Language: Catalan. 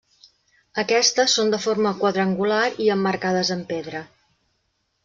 Aquestes són de forma quadrangular i emmarcades amb pedra.